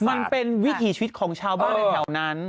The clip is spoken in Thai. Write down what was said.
วิถีชีวิตของชาวบ้านในแถวนั้น